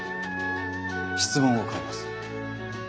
質問を変えます。